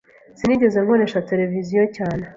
Sinigeze nkoresha televiziyo cyane.